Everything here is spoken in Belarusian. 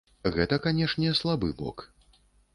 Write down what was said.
Гэта, канешне, слабы бок.